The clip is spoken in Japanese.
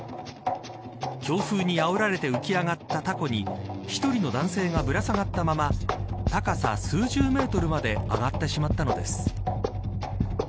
強風にあおられて浮き上がったたこに１人の男性がぶら下がったまま高さ数十メートルまで上がってしまったのです。